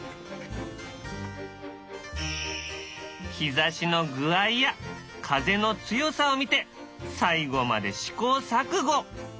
日ざしの具合や風の強さを見て最後まで試行錯誤。